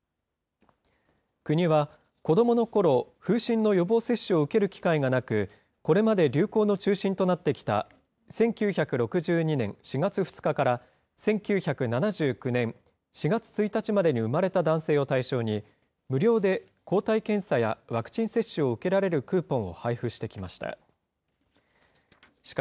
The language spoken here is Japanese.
国は、子どものころ、風疹の予防接種を受ける機会がなく、これまで流行の中心となってきた、１９６２年４月２日から、１９７９年４月１日までに生まれた男性を対象に、無料で抗体検査やワクチン接種を受けられるクーポンを配布してきました。